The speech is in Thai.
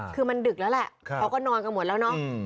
คือมันดึกแล้วแหละเขาก็นอนกันหมดแล้วเนาะ